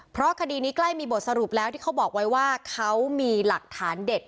เพราะคดีนี้ใกล้มีบทสรุปแล้วที่เขาบอกไว้ว่าเขามีหลักฐานเด็ด